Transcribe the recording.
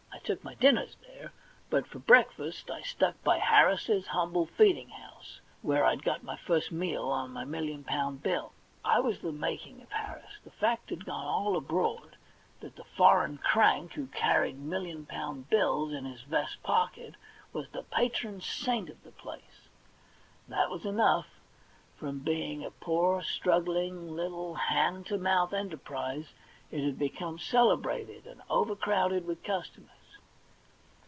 I took my dinners there, but for breakfast I stuck by Harris's humble feeding house, where I had got my first meal on my million pound bill. I was the making of Harris. The fact had gone all abroad that the i6 THE £lfiOOfiOO BAN^ NOTE foreign crank who carried million pound bills in his vest pocket was the patron saint of the place. That was enough. From being a poor, strugghng, little hand to mouth enterprise, it had become celebrated, and overcrowded with customers.